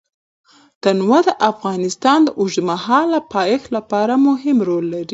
تنوع د افغانستان د اوږدمهاله پایښت لپاره مهم رول لري.